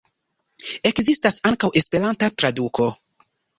Ekzistas ankaŭ Esperanta traduko.